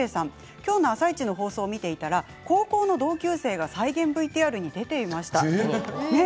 今日の「あさイチ」の放送を見ていたら高校の同級生が再現ＶＴＲに出ていました。